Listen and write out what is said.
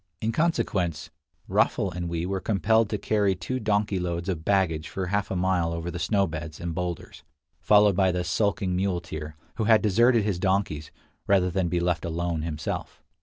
In consequence, Raffl and we were compelled to carry two donkey loads of baggage for half a mile over the snow beds and boulders, followed by the sulking muleteer, who had deserted his donkeys, rather than be left alone himself.